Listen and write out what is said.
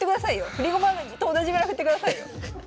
振り駒と同じぐらい振ってくださいよ。